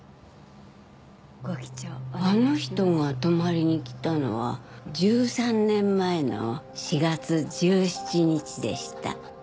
あの人が泊まりに来たのは１３年前の４月１７日でした。